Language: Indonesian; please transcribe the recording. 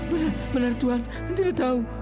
benar tuhan saya tidak tahu